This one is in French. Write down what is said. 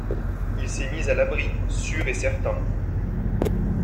Il s'est mis à l'abri, sûr et certain.